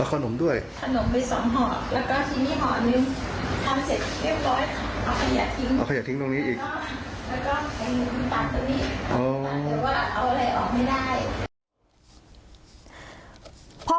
อ๋อแล้วก็มีคุณปัญห์ตรงนี้แต่ว่าเอาอะไรออกไม่ได้